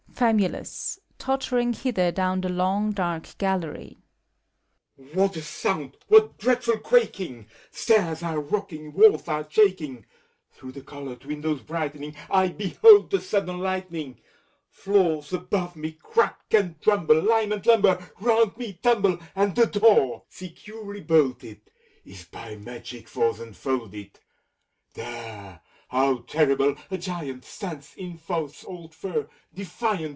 FAMULUS (tottering hither down the long, dark gallery). What a sound I What dreadful quaMng! Stairs are rocking, walls are shaking; Through the colored windows brightening I behold the sudden lightning; Floors above me crack and rumble, Lime and lumber round me tumble, And the door, securely bolted. Is by magic force unfolded. — There ! How terrible ! a Giant Stands in Faust's old fur, defiant!